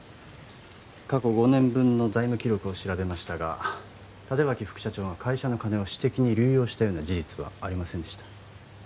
過去５年分の財務記録を調べましたが立脇副社長が会社の金を私的に流用したような事実はありませんでした